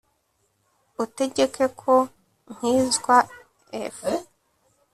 utegeke ko nkizwa f